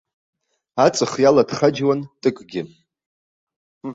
Аҵых иалаҭхаџьуан тыкгьы.